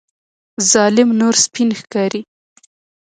ظالم نور سپین ښکاري.